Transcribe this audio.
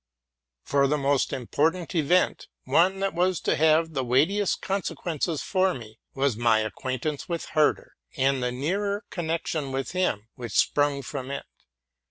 For the most important event, one that was to have the weightiest consequences for me, was my acquaintance with Herder, and the nearer connection with him which sprung from it.